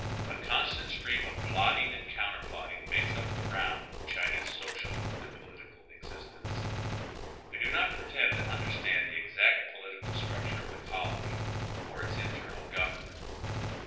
A constant stream of plotting and counter plotting makes up the round of Chinese social and political exis tence, I do not pretend to understand the exact political structure of the colony, or its interual government.